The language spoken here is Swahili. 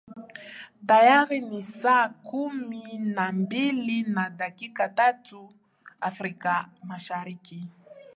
tayari ni saa kumi na mbili na dakika tatu afrika mashariki